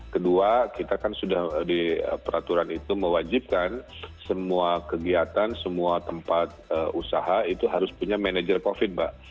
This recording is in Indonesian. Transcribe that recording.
kedua kita kan sudah di peraturan itu mewajibkan semua kegiatan semua tempat usaha itu harus punya manajer covid mbak